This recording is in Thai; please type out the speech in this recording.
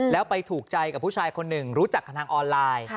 แล้วไปถูกใจกับผู้ชายคนหนึ่งรู้จักกันทางออนไลน์